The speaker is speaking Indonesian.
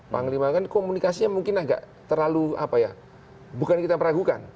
panglima kan komunikasinya mungkin agak terlalu bukan kita peragukan